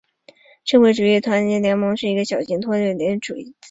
社会主义团结联盟是墨西哥的一个小型托洛茨基主义组织。